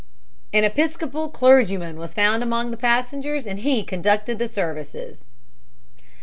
An Episcopal clergyman was found among the passengers and he conducted the services."